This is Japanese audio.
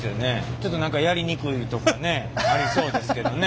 ちょっと何かやりにくいとかねありそうですけどね。